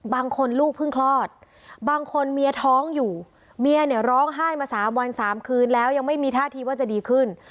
บางคนลูกเพิ่งคลอดบางคนเมียท้องอยู่เมียเนี่ยร้องไห้มา๓วัน๓คืนแล้วยังไม่มีท่าทีว่าจะดีขึ้น